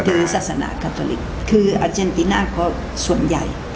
ศาสนาคาโตลิกคืออาเจนติน่าก็ส่วนใหญ่